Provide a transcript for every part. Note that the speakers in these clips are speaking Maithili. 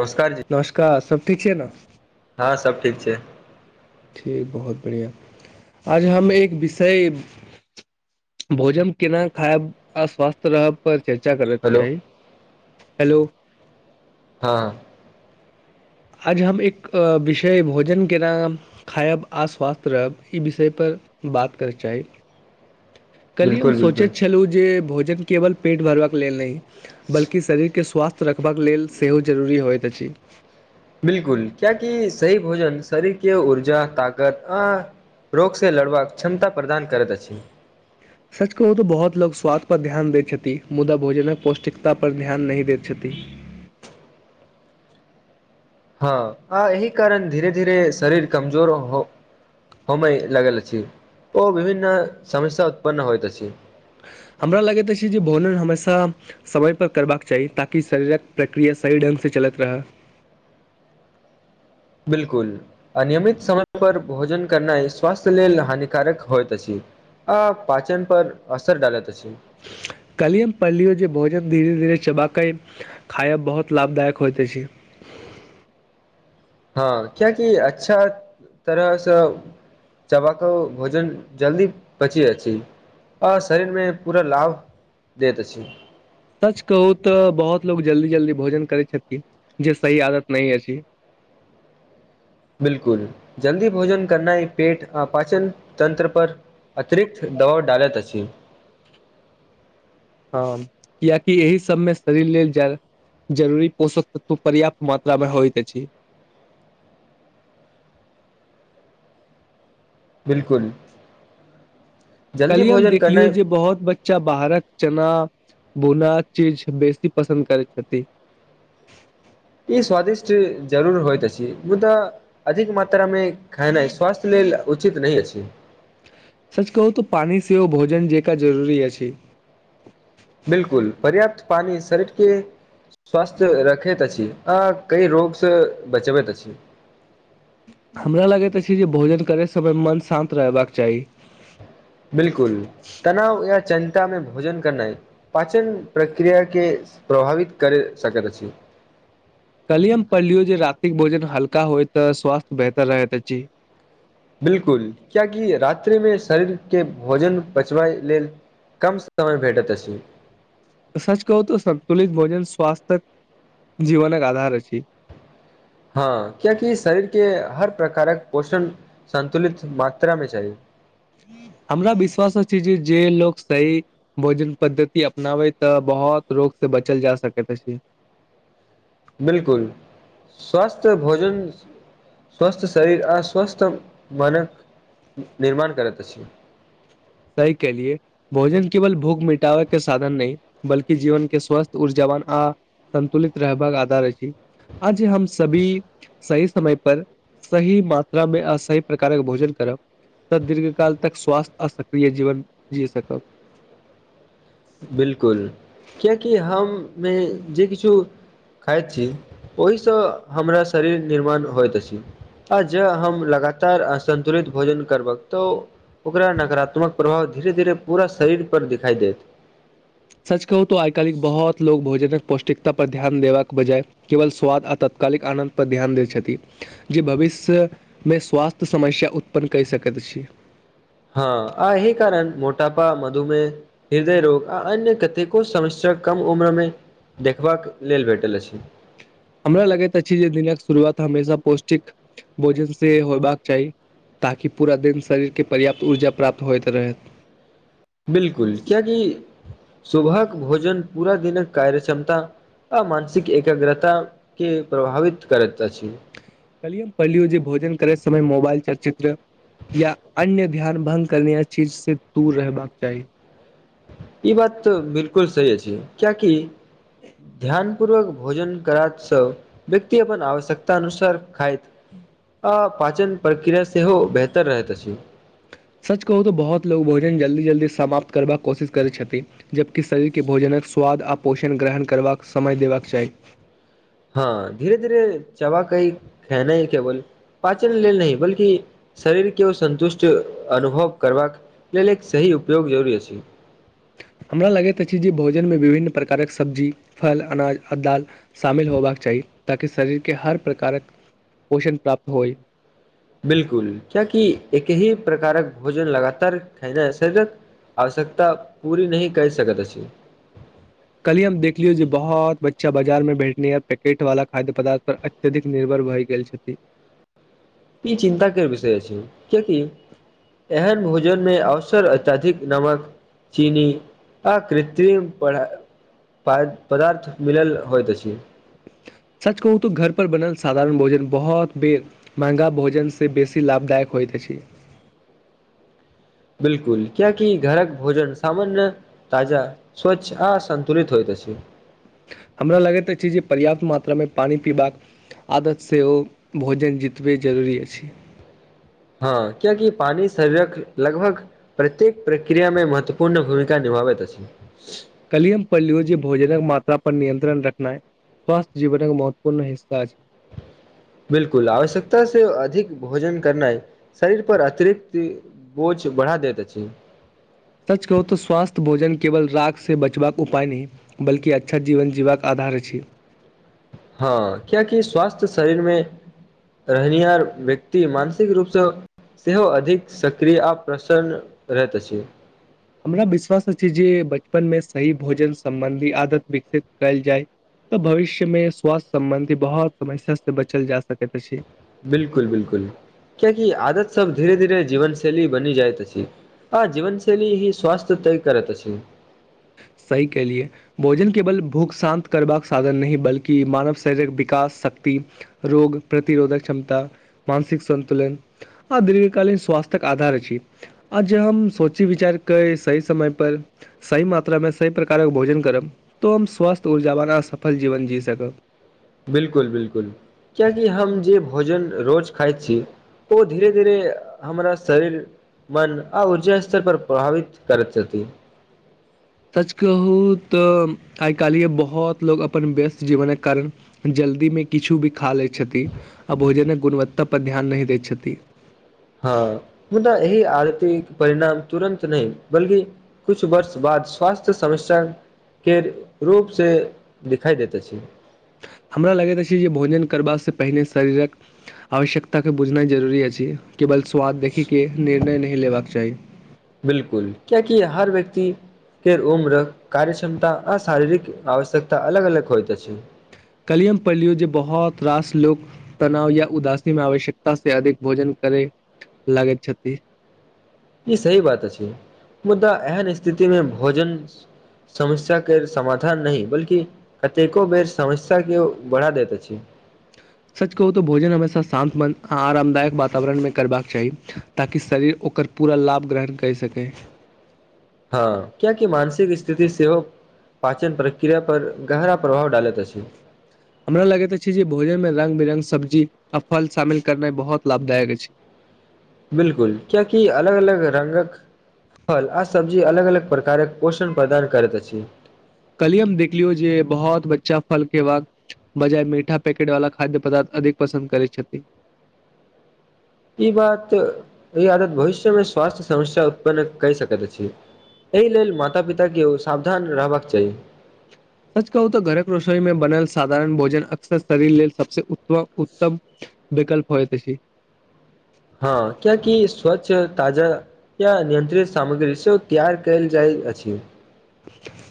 नमस्कार जी नमस्कार सब ठीक छै ने। हँ सब ठीक छै। ठीक बहुत बढ़िआ आज हम एक विषय। भोजन केना खायब अस्वस्थ रहब पर। चर्चा करत हेलो छैइ। हेलो। हँ। आज हम एक विषय भोजन केना खायब आ स्वास्थ रहब ई विषयपर बात करय चाही कली हम बिल्कुल बिल्कुल सोचैत छलहुँ जे भोज। केवल पेट भरबाक के लेल नहि। बल्कि शरीर के स्वास्थ्य। रखबाक लेल सेहो जरूरी होइत अछि। बिल्कुल कियकि सही भोजन शरीरके ऊर्जा ताकत आ रोगसँ लड़बाक क्षमता प्रदान करैत अछि। सच कहू तऽ बहुत लोक स्वाद पर ध्यान देैत छथिति मुदा भोजन मे पौष्टिकता पर ध्यान नह देैत छथिति। हँ आ एहि कारण धीरे धीरे शरीर कमजोर हो होमेय लगल अछि ओ विभिन्न समस्या उत्पन्न होइत अछि। हमरा लगैत अछि जे भोजन हमेशा समयपर करबाक चाही ताकि शरीरक प्रक्रिया सही ढंग से चलैत रहय। बिलकुल अनियमित समय पर भोजन करनाइ स्वास्थ्य लेल हानिकारक होइत अछि आ पाचन पर असर डालैत अछि। कल ही हम पढलीय जे भोन धीर धीरे। चबकई खायब बहुत लाभदायक होइते छै। हँ कियकि अच्छा तरहसँ चबबाक भोजन जल्दी पची आ शरीरमे पूरा लाभ दैत अछि। सच कहू तऽ बहुत लोग जल्दी जल्दी भोजन करै छथि जे सही आदत नहि अछि। बिलकुल जल्दी भोजन करनाइ पेट आाचन तंत्र पर अतिरिक्त दबाव डालैत अछि। कियकि एहि सबमे शरीर लेल जरूरी पोषक तत्व पर्याप्त मात्रामे होइत अछि। [unintelligible] बिलकुल। [unintelligible] कहलियी हम देखलियौ जे बहुत बच्चा बाहरक चना। [unintelligible] भूना चीज बेसी पसन्द करै छथिन। [unintelligible] ई स्वादिष्ट जरूर होइत अछि मुदाऽ अधिक मात्रामे खेनाइ स्वास्थ्य लेल उचित नहि अछि। [unintelligible] सच कहू तऽ पानि सेहो भोजन जेका जरूरी अछि। [unintelligible] बिलकुल पर्याप्त पानि शरीरके स्वस्थ रखैत अछि आ कई रोगसँ बचबैत अछी। [unintelligible] हमरा लगैत अछि जे भोजन करय समय मन शान्त रहबाक चाही। [unintelligible] बिलकुल तनाव य च। [unintelligible] काम मे भोजन करनाइ पाचन प्रक्रिया के प्रभावित कर सकैत अछि। [unintelligible] कलियम पढ़लियौ जे रातिक भोजन हल्का होय तऽ स्वास्थ्य बेहतर रहैत अछि। [unintelligible] बिलकुल कियाकि रात्रिमे शरीरके भोजन पचबै लेल कम समय भेटैत अछि। [unintelligible] सच कहू तऽ सतुलित भोजन स्वास्थ्य जीवनकक आधार अछि। [unintelligible] हँ कियकि शरीरके हर प्रकारक पोषण संतुलित मात्रामे चाही। [unintelligible] हमरा विश्वास छै जे जे लोक सही भोजन पद्धति अपनाबै तऽ बहुत रोगसँ बचल जा सकैत अछि कि। [unintelligible] बिलकुल स्वस्थ भोजन स्वस्थ शरीर आ स्वस्थ मनक निर्माण करैत अछि। [unintelligible] सही केेलि भोजन केवल भूख मिटाबै के साधन नहि बल्ि जीवन के स्वस्थ ऊर्जाावान आ संन्तुलित रहबाक आधार अछि। [unintelligible] आज हम सभी। [unintelligible] सही समय पर सही मात्रा मे आ सही प्रकारक भोजन करब तऽ दीर्घ काल तक स्वास्थ्य अशक। [unintelligible] प्रिय जीवन जी सकब। [unintelligible] बिलकुल किियकि हममे जे किछु खाइत छी ओहिसँ हमरा शरीर निर्माण होइत अछि आ जँ हम लगातारसन्तुलित भोजन करबक तऽ ओकरा नकारात्मक प्रभाव धीरे धीरे पूरा शरीरपर दिखाइ देत। [unintelligible] सच कहू तो आइ कालहि बहुत लोग भोजन। [unintelligible] पौष्टिकता पर ध्यान देबाक बजाय केवल स्वाद आ तात्कालिक आनन्द परर ध्यान दैत छथि जे भविष्यमे स्वास्थ्य समस्या उत्पन्न कहि सकैत छी। [unintelligible] हँ आ एहि कारण मोटापा मधुमेह हृदय रोग आ अन्य कतेको समस्या कम उम्रमे देखबाक लेल भेटल अछि। [unintelligible] हमरा लगैत अछि जे दिनक शुरुआत हमेशा पौष्टिक भोजन से होयबाक चाही ताकि पूरा दिन शरीरके पर्याप्त ऊर्जा प्राप्त होइत रहैत। [unintelligible] बिलकुल क्यकि। [unintelligible] सुबहक भोजन पूरा दिनक कार्य क्षमता आ मानसिक एकाग्रता के प्रभावित करैत अछि। [unintelligible] कहलिय हम पढ़लियौ जे भोजन करैत समय मोबाइल चलचित्र या अन्य ध्यान भ्ंग करने य चीज से दूर रहबाक चाही। [unintelligible] ई बात तऽ बिलकुल सही छै क्यकि। [unintelligible] ध्यान। [unintelligible] पूर्वक भोजन करा सब व्यक्ति अपन आवश्यकता अनुसार खाइत। [unintelligible] पाचन प्रक्रिया सेहो बेहतर रहैत अछि। [unintelligible] सच कहू तऽ बहुत लोक भोजन जल्दी- जल्दी समाप्त करबाक कोशिश करैत छथि जबकि शरीरके भोजनक स्वाद आ पोषण ग्रहण करबाक समय देबाक चाही। [unintelligible] हँ धीरे- धीरे चबा कई खेनाइ केवल पाचन लेल नहि बल्कि शरीर के ओ संन्तुष्ट अनुभव करबाक लेल एक सही उपयोग जरुररी अछि। [unintelligible] हमरा लगैत अछि जे भोजनमे विभिन्न प्रकारक सब्जी फल अनाज आ दाल शामिल होयबाक चाही ताकि शरीरके हर प्रकारक पोषण प्राप्त होय। [unintelligible] बिल्कुल कियाकि एकहि प्रकारक भोजन लगातार खायला स शरीरक आवश्यकता पूर्ण नहि करि सकैत अछि। कल ही हम देखलियौ जे बहुत बच्चा बाजारमे भेटने य पैकेटवाला खाद्य पदार्थ पर अत्यधिक निर्भर भए गेल छथि। ई चिन्ता के विषय अछि कियाकि एहन भोजन मे अवसर अत्यधिक नमक चीनी आ कृत्रिम पदार, पदा, पदार्थ मिलल होइत अछि। सच कहू तऽ घर पर बनल साधारण भोजन बहुत बेर महगा भोजन से बेसी लाभदायक होइत अछि। [unintelligible] बिल्कुल कियाकि घरक भोजन सामान्य ताजा स्वच्छ आ सन्तुलित होइत अछि। हमरा लगैत अछि जे पर्याप्त मात्रामे पानि पीबाक आदत सेहो भोजन जितबे जरूरी अछि। हँ कियाकि पानी शरीरक लगभग प्रत्येक प्रक्रिया में महत्वपूर्ण भूमिका निभाबैत अछि। कल ही हम पढ़लहुँ जे भोजनक मात्रा पर नियंत्रण रखनाय स्वास्थ्य जीवनक महत्वपूर्ण हिस्सा अछि। बिल्कुल आवश्यकता से अधिक भोजन करनाइ शरीर पर अतिरिक्त बोझ बढ़ा देैत अछि। सच कहू तऽ स्वास्थ्य भोजन केवल राखसँ बचबाक उपाय नहि बल्कि अच्छा जीवन जीबाक आधार अछि। हँ कियाकि स्वास्थ्य शरीरमे रहनिहार व्यक्ति मानसिक रूपसँ सेहो अधिक सक्रिय आ प्रसन्न रहैत अछि। हमरा विश्वास अछि जे बचपनमे सही भोजन सम्बन्धी आदत विकसित कयल जाय तऽ भविष्यमे स्वास्थ्य सम्बन्धी बहुत समस्या स बचल जा सकैत अछि। बिल्कुल बिल्कुल कियाकि आदत सब धीरे-धीरे जीवनशैली बनी जाइत अछि आ जीवनशैली ही स्वस्थ्य तय करत अछि। सही कएलियै भोजन केवल भूख शान्त करबाक साधन नहि बल्कि मानव शरीरक विकास शक्ति रोग प्रतिरोधक क्षमता मानसिक सन्तुलन आ दीर्घकालीन स्वास्थक आधार अछि आ जे हम सोची विचार के सही समय पर सही मा। त्रा मे से प्रकारक भोजन करब तो हम स्वस्थ ऊर्जा बाना सफल जीवन जी सकब। बिल्कुल बिल्कुल कियाकि हम जे भोजन रोज खाइत छी ओ धीरे-धीरे हमरा शरीर मन आ ऊर्जा स्तर पर प्रभावित करैत छथि। सच कहू तऽ आइ काल्हिए बहुत लोक अपन व्यस्त जीवनके कारण जल्दीमे किछु भी खा लैत छथिन आ भोजनक गुणवत्ताापर ध्यान नहि दैत छथि। हँ मुदा एहि आदतिक परिणाम तुरन्त नहि बल्कि कुछ वर्ष बाद स्वास्थ्य समस्याके रूपसँ दिखाइ दैत अछि। हमरा लगैत अछि जे भोजन करबासँ पहिने शरीरक आवश्यकताके बुझनाइ जरूरी अछि। केवल स्वाद देखै के निर्णय नहि। लेबाक चाही। बिल्कुल कियाकि हर व्यक्ति के उम्र कार्य क्षमता आ शारीरिक आवश्यकता अलग अलग होइत अछि। कल ही हम पढ़लियौ जे बहुत रास लोक तनाव या उदासी मे आवश्यकता से अधिक भोजन करै लागैत छथि। ई सही बात अछि मुदा एहन स्थिति मे भोजन समस्या के समाधान नहि बल्कि कतेको बेर समस्या के बढ़ा दैत अछि। सच कहू तऽ भोजन हमेशा शान्तमन आ आरामदायक वातावरणमे करबाक चाही ताकि शरीर ओकर पूरा लाभ ग्रहण कर सकै। हँ कियाकि मानसिक स्थिति सेहो पाचन प्रक्रिया पर गहरा प्रभाव डालैत अछि। हमरा लगैत अछि जे भोजनमे रङ्ंग बिरङ्ग सब्जी आ फल शामिल करनाइ बहुत लाभदायक अछि। बिल्कुल कियाकि अलग-अलग रङ्ंगक फल आ सब्जी अलग-अलग प्रकारक पोषण प्रदान करैत अछि। कल ही हम देखलियौ जे बहुत बच्चा फल खेबाक बजाय मीठा पैकेट वाला खाद्य पदार्थ अधिक पसन्द करै छथि। ई बात ई आदत भविष्यमे स्वास्थ्य समस्या उत्पन्न करि सकैत अछि। एहि लेल माता पिताके सावधान रहबाक चाही। सच कहू तऽ घरक रसोई मे बनल साधारण भोजन अक्सर शरीर लेल सबसे उत्तम विकल्प होइत अछि। हँ कियाकि स्वच्छ ताजा या नियंत्रित सामग्री से तैयार कयल जाइत अछि।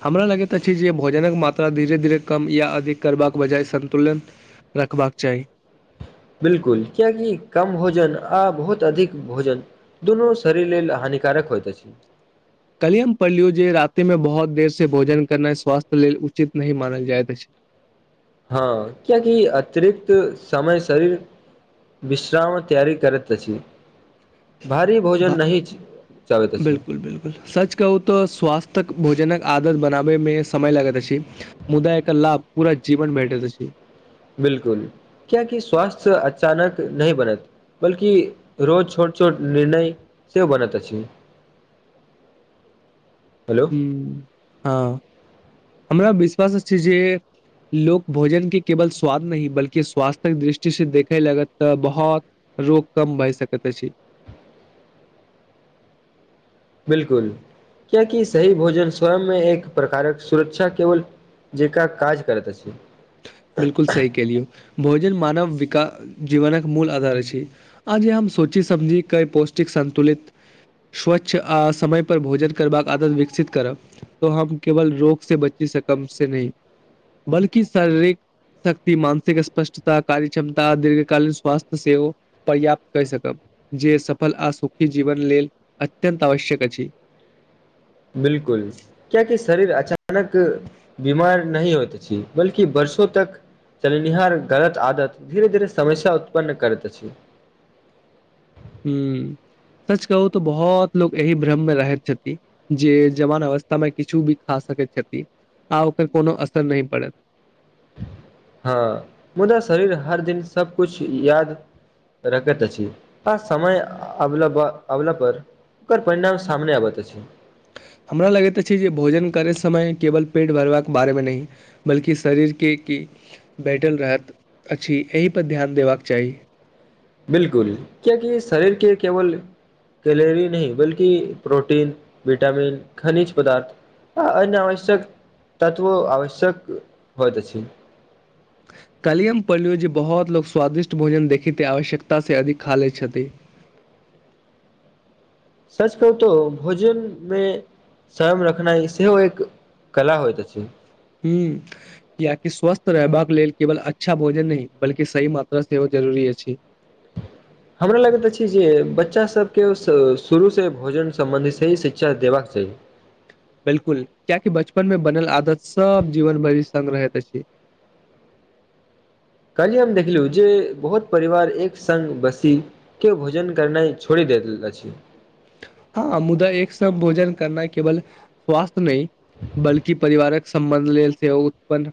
हमरा लगैत अछि जे भोजनक मात्रा धीरे धीरे कम या अधिक करबाक बजाय सन्तुलन रखबाक चाही। बिल्कुल कियकि कम भोजन आ बहुत अधिक भोजन दुनू शरीर लेल हानिकारक होइत अछि। कल ही हम पढ़लियौ जे राति मे बहुत देर से भोजन करनाइ स्वास्थ्य लेल उचित नहीं मानल जाइत अछि। हँ कियाकि अतिरिक्त समय शरीर विश्रामक तैयारी करैत अछि। भारी भोजन ब नहि चाहैत अछि बिल्कुल बिल्कुल सच कहू तऽ स्वास्थक भोजनक। आदत बनाबे मे समय लागैत अछि मुदा एकर लाभ पूरा जीवन भेटैत अछि। बिल्कुल कियाकि स्वास्थ्य अचानक नही बनत बल्कि रोज छोट छोट निर्णय से बनत अछि। हेलो हुँ हँ। हमरा विश्वास अछि जे लोक भोजन के केवल स्वाद नहि बल्कि स्वास्थ्य्यक दृष्टि से देखय लागत तऽ बहुत रोग कम भए सकैत अछि। बिल्कुल कियाकि सही भोजन स्वयंमे एक प्रकारक सुरक्षा केवल जेका काज करैत अछि। बिल्कुल सही कहलियौ भोजन मानव विकास। जीवनक मूल आधार अछि। आज हम सोची समझी क पौष्टिक संतुलित स्वच्छ आ समय पर भोजन करबाक आदत विकसित करब तो हम केवल रोग से बची सकम से नहि बल्कि। की शारीरिक शक्ति मानसिक स्पष्टता कार्य क्षमता आ दीर्घ कालीन स्वास्थ्य सेहो पर्याप्त कर सकब जे सफल आ सुखी जीवन लेल अत्यन्त आवश्यक अछि। बिलकुल क्याकि शरीर अच्छा। [unintelligible] अचानक बीमार नहि होते। [unintelligible] बल्कि वर्षो तक चलनिहार गलत आदत धीरे-धीरे समस्या उत्पन्न करैत अछि। [unintelligible] ह्म सच कहू तऽ, बहुत लोको एहि भ्रममे रहैत छथिन, जे जवान अवस्थामे किछु भी खा सकैत छथि, आ ओकर कोनो असर नहि पड़त। हँ मुदा शरीर हर दिन सबकुछु याद रखैत अछि, आ समय अ अभिलावा-अभिलबर पर ओकर परिणाम सामने अबैत अछि। हमरा लगैत अछि जे, भोजन करय समय केवल पेट भरबाक बारेमे नहि बल्कि शरीरके क बैटल रहैत अछि, एहिपर ध्यान देबाक चाही। बिलकुल कियकि शरीर के केवल कैलरी नहि, बल्कि प्रोटीन विटामिन खनिज पदार्थ आ अन्य आवश्यक तत्व आवश्यक होइत अछि। कलियम पोल्यूजी बहुत लोकग स्वादिष्ट भोजन देखैत आवश्यकता से अधिक खा लैत छथि। सच कहुतो भोजन मे सयम रखनाइ सेहो एक कला होइत अछि। हूँ, कियकि स्वस्थ रहबाक लेल केवल अच्छा भोजन नहि, ण बल्कि सही मात्राँ सेहो जरूरी अछि। हमरा लगैत अछि जे, बच्चासभके शुरूसँ भोजन सम्बन्धी सही शिक्षा देबाक चाही। 'बिलकुल' कियाकि बचपन मे बनल आदत सब जीवन भरि संगग्रहैत अछि। कहलिय हम देखलहु जे, बहुत परिवार एक सङ्ग बसीके भोजन करनाइ छोड़ि दैत अछि। हँ मुदा एक सम भोजन करना केवल स्वास्थ। नहि बल्कि परिवारक समबन्ध लेल से ओ उत्पन्न